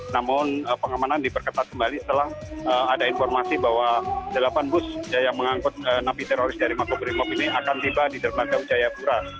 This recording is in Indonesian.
namun pengamanan diperketat kembali setelah ada informasi bahwa delapan bus yang mengangkut napi teroris dari makobrimob ini akan tiba di dermaga wijayapura